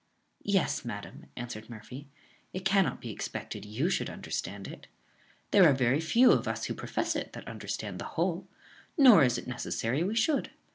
"Yes, madam," answered Murphy; "it can't be expected you should understand it. There are very few of us who profess it that understand the whole, nor is it necessary we should.